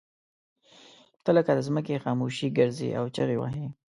ته لکه د ځمکې خاموشي ګرځې او چغې وهې.